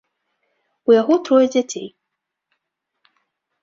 У яго трое дзяцей.